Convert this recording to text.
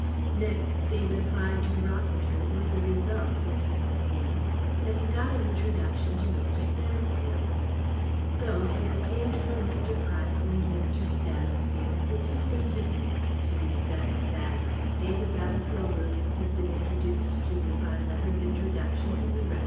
Next David applied to Rossiter with the result as we have seen that he got an introduction to Mr. Stansfield. So he obtained from Mr. Price and Mr. Stansfield the two certificates to the effect that "David Vavasour Williams has been introduced to me by letter of introduction from the Revd.